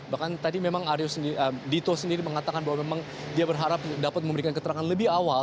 bahkan tadi memang dito sendiri mengatakan bahwa memang dia berharap dapat memberikan keterangan lebih awal